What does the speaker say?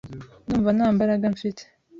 Ndumva nta mbaraga mfite .